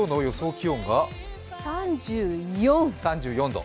気温が３４度。